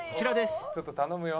ちょっと頼むよ。